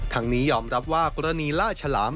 นี้ยอมรับว่ากรณีล่าฉลาม